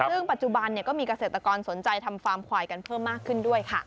ซึ่งปัจจุบันก็มีเกษตรกรสนใจทำฟาร์มควายกันเพิ่มมากขึ้นด้วยค่ะ